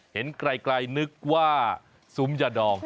เห็นไกลนึกว่าซุ้มยาดอง